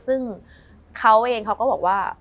ซึ่งเขาเองเขาก็บอกว่า